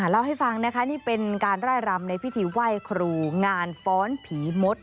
เล่าให้ฟังนะคะนี่เป็นการไล่รำในพิธีไหว้ครูงานฟ้อนผีมด